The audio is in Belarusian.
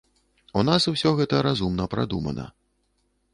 У нас усё гэта разумна прадумана.